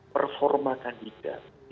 performa kan tidak